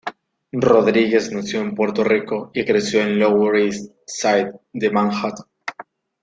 Rodríguez nació en Puerto Rico y creció en Lower East Side de Manhattan.